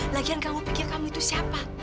lagian kamu pikir kamu itu siapa